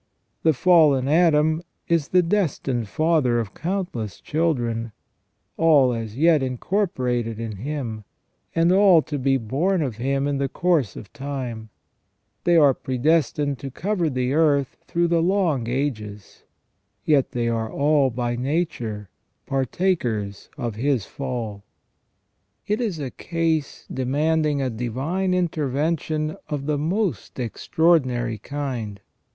The fallen Adam is the destined father of countless children, all as yet incorporated in him, and all to be born of him in the course of time \ they are predestined to cover the earth through the long ages, yet they are all by nature partakers of his fall. It is a case demanding a divine intervention of the most extraordinary kind.